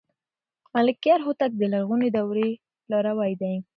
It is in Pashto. ملکیار هوتک د لرغونې دورې لاروی دی.